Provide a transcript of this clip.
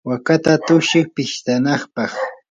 waakata tuksiy pistanapaq.